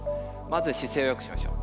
まず姿勢をよくしましょう。